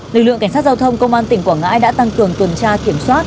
lực lượng cảnh sát giao thông công an tỉnh quảng ngãi đã tăng cường tuần tra kiểm soát